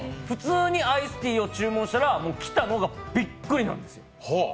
普通にアイスティーを注文したら、来たのがビックリなんですよ。